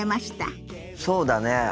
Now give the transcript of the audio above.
そうだね。